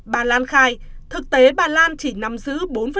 bà lan khai thực tế bà lan chỉ nắm giữ bốn